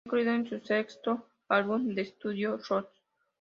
Está incluido en su sexto álbum de estudio "Roots".